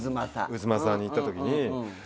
太秦に行ったときに。